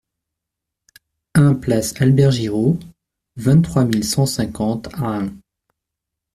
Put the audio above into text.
un place Albert Giraud, vingt-trois mille cent cinquante Ahun